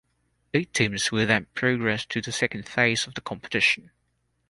Eight teams will then progress to the second phase of the competition.